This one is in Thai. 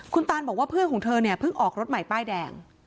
คุณตานบอกว่าเพื่อนของเธอเนี่ยเพิ่งออกรถใหม่ป้ายแดง